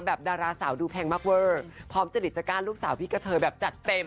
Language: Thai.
ดาราสาวดูแพงมากเวอร์พร้อมจริตจะก้านลูกสาวพี่กะเทยแบบจัดเต็ม